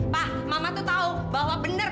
pak mama tuh tahu bahwa benar